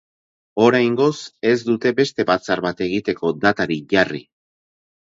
Oraingoz ez dute beste batzar bat egiteko datarik jarri.